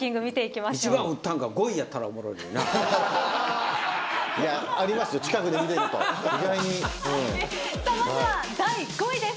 まずは第５位です。